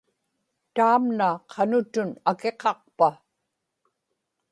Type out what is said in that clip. taamna qanutun akiqaqpa